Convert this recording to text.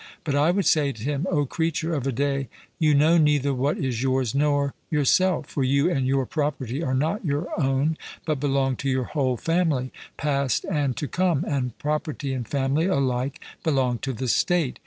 But I would say to him: O creature of a day, you know neither what is yours nor yourself: for you and your property are not your own, but belong to your whole family, past and to come, and property and family alike belong to the State.